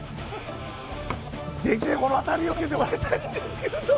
できればこのあたりをつけてもらいたいんですけれども。